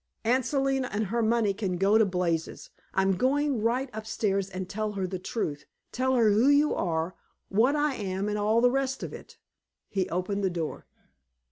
"Aunt Selina and her money can go to blazes. I am going right upstairs and tell her the truth, tell her who you are, what I am, and all the rest of it." He opened the door.